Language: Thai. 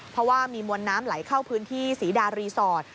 เพราะว่ามีมวลน้ำไหลเข้าพื้นที่ศรีดารีสอร์ท